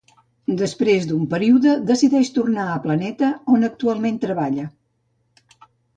Després d'un període decideix tornar a Planeta on actualment treballa.